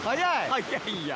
速いんや。